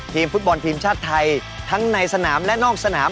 ฟุตบอลทีมชาติไทยทั้งในสนามและนอกสนาม